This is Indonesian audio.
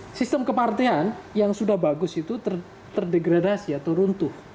karena sistem kepartean yang sudah bagus itu terdegradasi atau runtuh